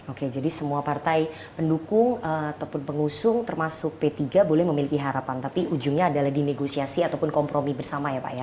oke jadi semua partai pendukung ataupun pengusung termasuk p tiga boleh memiliki harapan tapi ujungnya adalah di negosiasi ataupun kompromi bersama ya pak ya